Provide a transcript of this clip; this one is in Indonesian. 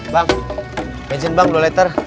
bang bensin bang dua liter